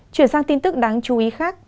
chuyển sang tin tức đáng chú ý khác